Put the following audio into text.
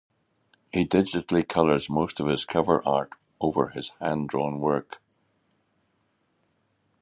He digitally colors most of his cover art over his hand-drawn work.